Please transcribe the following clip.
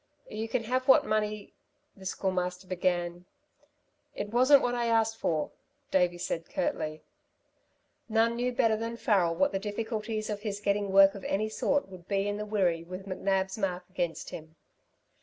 "You can have what money " the Schoolmaster began. "It wasn't what I asked for," Davey said curtly. None knew better than Farrel what the difficulties of his getting work of any sort would be in the Wirree with McNab's mark against him.